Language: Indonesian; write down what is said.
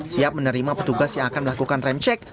siap menerima petugas yang akan melakukan remcek